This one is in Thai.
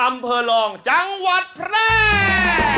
อำเภอรองจังหวัดแพร่